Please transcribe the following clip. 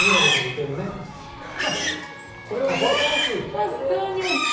これ普通に。